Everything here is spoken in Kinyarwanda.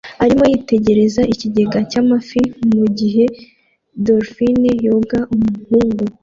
arimo yitegereza ikigega cy'amafi mugihe dolphine yoga umuhungu